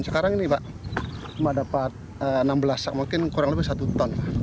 sekarang ini pak cuma dapat enam belas ton mungkin kurang lebih satu ton